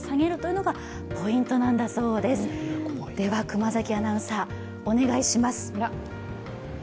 熊崎アナウンサー、お願いします